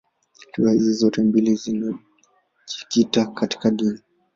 Riwaya hizi zote mbili zinajikita katika dini.